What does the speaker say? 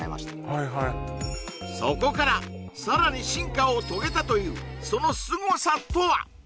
はいはいそこからさらに進化を遂げたというそのすごさとは？